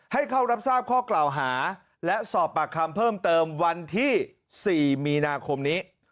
ให้เข้ารับทราบข้อกล่าวหาและสอบปากคำเพิ่มเติมวันที่๔มีนาคมนี้